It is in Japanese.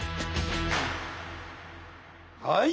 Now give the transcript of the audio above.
はい。